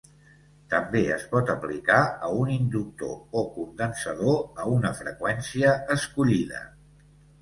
També es pot aplicar a un inductor o condensador a una freqüència escollida.